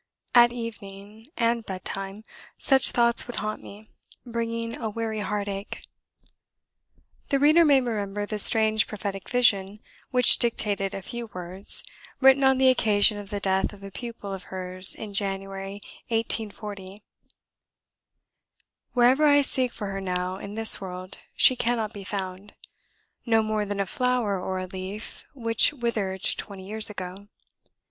At evening and bed time, such thoughts would haunt me, bringing a weary heartache." The reader may remember the strange prophetic vision, which dictated a few words, written on the occasion of the death of a pupil of hers in January, 1840: "Wherever I seek for her now in this world, she cannot be found; no more than a flower or a leaf which withered twenty years ago.